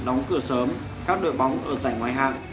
đóng cửa sớm các đội bóng ở giải ngoài hạng